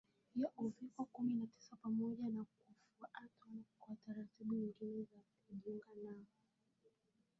ya Uviko kumi na Tisa pamoja na kufuatwa kwa taratibu nyingine za kujikinga na